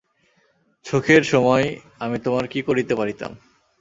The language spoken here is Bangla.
সুখের সময় আমি তোমার কী করিতে পারিতাম!